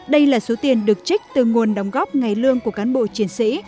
đây là số tiền được trích từ nguồn đóng góp ngày lương của cán bộ chiến sĩ